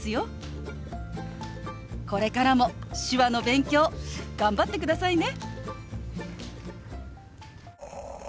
これからも手話の勉強頑張ってくださいね。